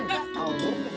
tadi di mana